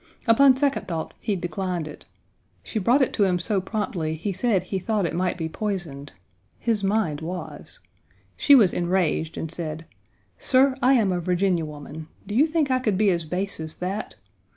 Upon second thought, he declined it. She brought it to him so promptly he said he thought it might be poisoned; his mind was; she was enraged, and said: "Sir, I am a Virginia woman. Do you think I could be as base as that?